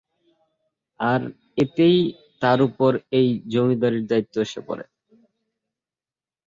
আর এতেই তার উপর এই জমিদারীর দায়িত্ব এসে পড়ে।